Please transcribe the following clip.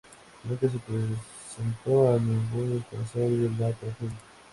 Nunca se presentó a ningún responsable de la tragedia.